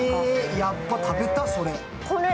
やっぱ食べたい、それ。